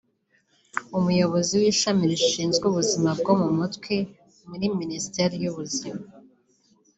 umuyobozi w’ishami rishinzwe ubuzima bwo mu mutwe muri Minisiteri y’Ubuzima